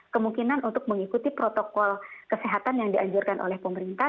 kemungkinan untuk mengikuti protokol kesehatan yang dianjurkan oleh pemerintah